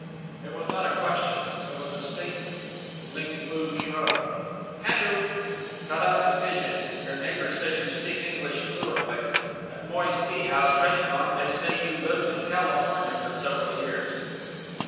It was not a question; it was a statement. Ling Foo shrugged. "Can do." "Cut out the pidgin. Your neighbour says you speak English fluently. At Moy's tea house restaurant they say that you lived in California for several years."